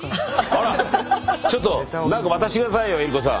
あらちょっと何か渡して下さいよ江里子さん。